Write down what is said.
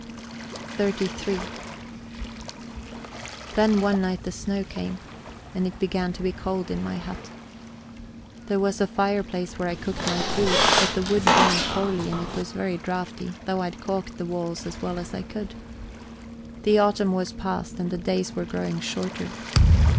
XXXIII Then one night the snow came, and it began to be cold in my hut. There was a fireplace where I cooked my food, but the wood burned poorly and it was very draughty, though I had caulked the walls as well as I could. The autumn was past, and the days were growing shorter.